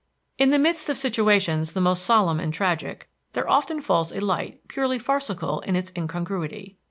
In the midst of situations the most solemn and tragic there often falls a light purely farcical in its incongruity.